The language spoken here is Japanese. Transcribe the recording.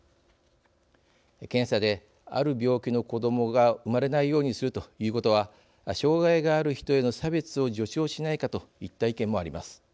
検査である病気の子どもが生まれないようにするということは障害がある人への差別を助長しないかといった意見もあります。